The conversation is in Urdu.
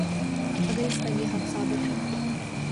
اگراس کا یہ حق ثابت ہے۔